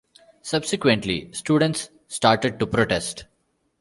Subsequently students started to protest.